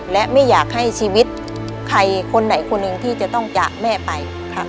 และไม่อยากให้ชีวิตใครคนใดคนหนึ่งที่จะต้องจากแม่ไปค่ะ